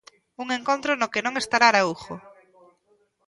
Un encontro no que non estará Araújo.